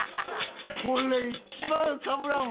これ一番かぶらんわ。